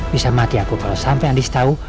bisa mati aku kalau sampai anies tahu